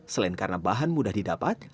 selain karena bahan mudah didapat